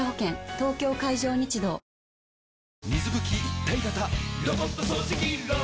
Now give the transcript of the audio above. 東京海上日動はあ。